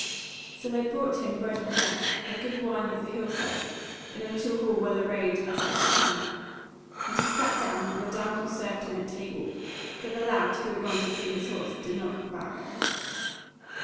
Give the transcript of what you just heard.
So they brought him bread and flesh, and good wine of the hill side, in a little hall well arrayed as of its kind; and he sat down and the damsel served him at table, but the lad, who had gone to see to his horse, did not come back.